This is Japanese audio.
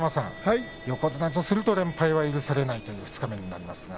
横綱とすると連敗は許されない二日目になりますが。